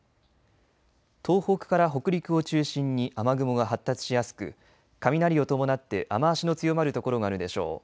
東北から北陸を中心に雨雲が発達しやすく雷を伴って雨足の強まる所があるでしょう。